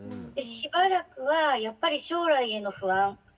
でしばらくはやっぱり将来への不安。